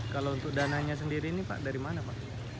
kalau untuk dananya sendiri ini pak dari mana pak